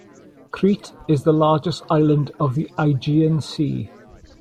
Crete is the largest island of the Aegean sea.